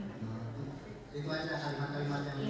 kalimat kalimat yang dikomentari